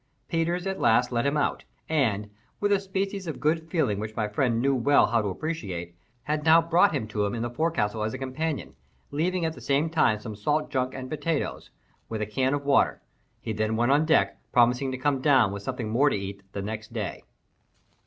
Peters at last let him out, and, with a species of good feeling which my friend knew well how to appreciate, had now brought him to him in the forecastle as a companion, leaving at the same time some salt junk and potatoes, with a can of water, he then went on deck, promising to come down with something more to eat on the next day.